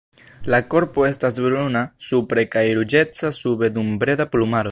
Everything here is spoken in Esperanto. La korpo estas bruna supre kaj ruĝeca sube dum breda plumaro.